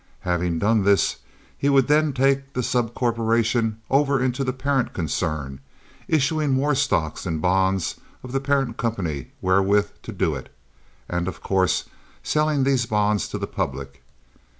Having done this he would then take the sub corporation over into the parent concern, issuing more stocks and bonds of the parent company wherewith to do it, and, of course, selling these bonds to the public.